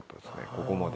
ここまで。